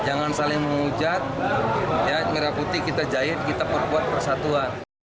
jangan saling mengujat merah putih kita jahit kita perbuat persatuan